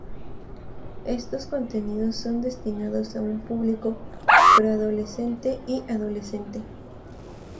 Estos contenidos son destinados a un público preadolescente y adolescente.